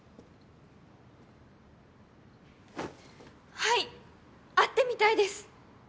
はい会ってみたいです。